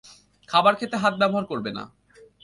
খাবার খেতে হাত ব্যবহার করবে না।